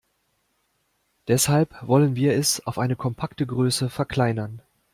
Deshalb wollen wir es auf eine kompakte Größe verkleinern.